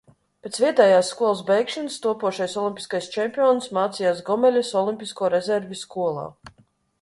Pēc vietējās skolas beigšanas topošais olimpiskais čempions mācījās Gomeļas olimpisko rezervju skolā.